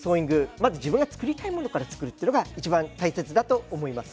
まず自分が作りたいものから作るっていうのが一番大切だと思います。